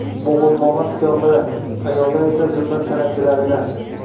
Mo‘g‘ulmonand qiyofalar, ayollar esa zulmat paranjilarida